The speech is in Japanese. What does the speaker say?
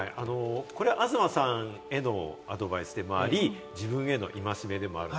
東さんへのアドバイスでもあり、自分への戒めでもある。